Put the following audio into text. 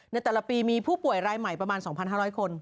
ในแต่ละปีมีผู้ป่วยรายใหม่ประมาณ๒๕๐๐คน